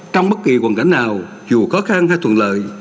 trong bất kỳ hoàn cảnh nào dù khó khăn hay thuận lợi